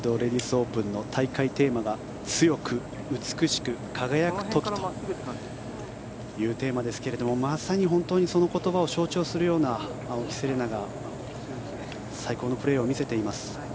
オープンの大会テーマが「強く、美しく、輝くとき。」というテーマですがまさに本当にその言葉を象徴するような青木瀬令奈が最高のプレーを見せています。